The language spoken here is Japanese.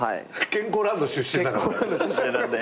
健康ランド出身なんで。